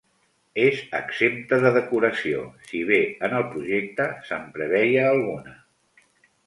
És exempta de decoració, si bé en el projecte se'n preveia alguna.